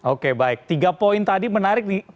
oke baik tiga poin tadi menarik